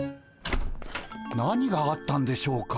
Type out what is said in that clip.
何があったんでしょうか？